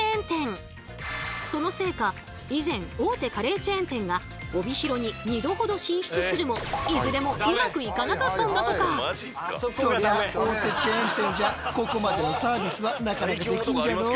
そのせいか以前大手カレーチェーン店が帯広に二度ほど進出するもいずれもうまくいかなかったんだとか。というのが我が社のモットーであります。